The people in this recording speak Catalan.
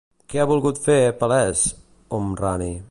Què ha volgut fer palès, Homrani?